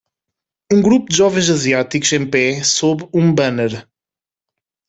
Um grupo de jovens asiáticos em pé sob um banner.